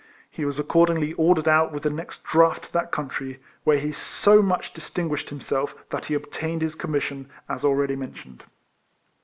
He was accordingly ordered out with the next draft to that country, where he so much distin guished himself that he obtained his com mission, as already mentioned.